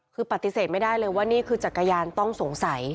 คือปฏิเสธไม่ได้เลยว่านี่คือจักรยานต้องสงสัย